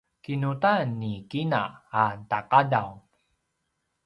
kinudan ni kina a ta’adav